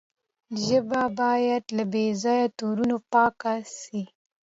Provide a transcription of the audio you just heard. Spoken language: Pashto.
ژبه باید له بې ځایه تورو پاکه سي.